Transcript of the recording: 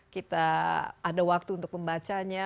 kita ada waktu untuk membacanya